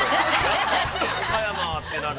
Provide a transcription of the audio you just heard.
◆岡山ってなると。